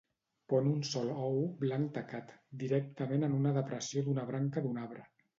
Pon un sol ou blanc tacat, directament en una depressió d'una branca d'un arbre.